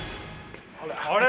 あれ。